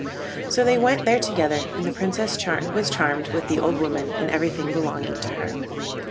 So they went there together, and the Princess was charmed with the old woman and everything belonging to her.